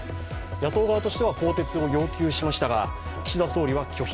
野党側としては更迭を要求しましたが、岸田総理は拒否。